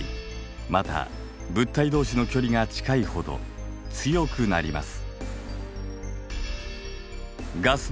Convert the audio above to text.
また物体同士の距離が近いほど強くなります。